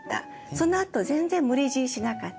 そのあと全然無理強いしなかった。